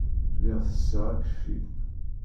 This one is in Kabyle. Lliɣ tesseɣ akeffi.